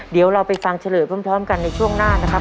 เดี๋ยวเราไปฟังเฉลยพร้อมกันในช่วงหน้านะครับ